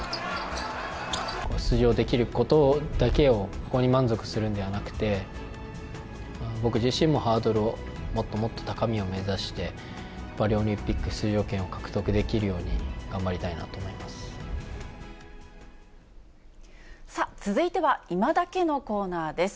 出場できることだけを、そこに満足するのではなくて、僕自身もハードルをもっともっと高みを目指して、パリオリンピック出場権を獲得できるように頑張りたいなと思いまさあ、続いてはいまダケッのコーナーです。